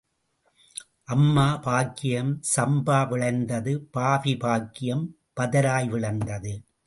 அம்பா பாக்கியம் சம்பா விளைந்தது பாவி பாக்கியம் பதராய் விளைந்தது.